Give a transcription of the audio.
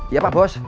ya pak bos